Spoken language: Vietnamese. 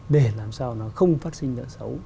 để làm sao nó không phát sinh nợ xấu